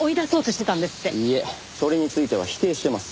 いいえそれについては否定してます。